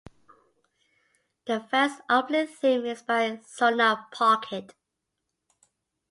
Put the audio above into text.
The first opening theme is by Sonar Pocket.